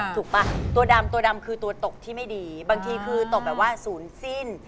ป่ะตัวดำตัวดำคือตัวตกที่ไม่ดีบางทีคือตกแบบว่าศูนย์สิ้น